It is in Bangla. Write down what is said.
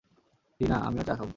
টিনা, - আমিও চা খাবো।